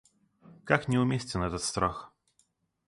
Как неуместен этот страх.